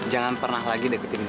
jangan pernah lagi deketin